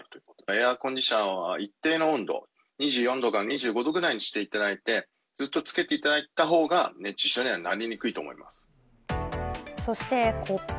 エアーコンディションは一定の温度、２４度から２５度くらいにしていただいて、ずっとつけていただいたほうが熱中症にはなりにくいと思います。